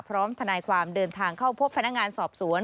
ทนายความเดินทางเข้าพบพนักงานสอบสวน